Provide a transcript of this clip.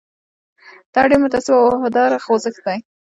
دا ډېر متعصب او وفادار خوځښت دی.